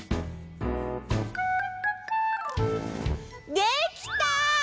できた！